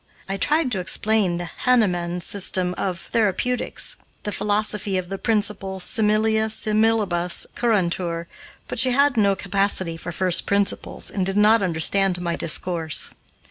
I tried to explain the Hahnemann system of therapeutics, the philosophy of the principle similia similibus curantur, but she had no capacity for first principles, and did not understand my discourse.